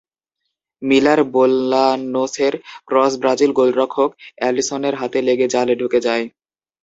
Miller বোলানোসের cross Brazil গোলরক্ষক অ্যালিসনের হাতে লেগে জালে ঢুকে যায়।